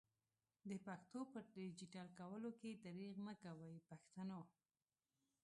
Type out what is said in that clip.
د پښتو په ډيجيټل کولو کي درېغ مکوئ پښتنو!